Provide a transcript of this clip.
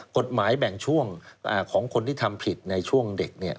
กฎหมายแบ่งช่วงของคนที่ทำผิดในช่วงเด็ก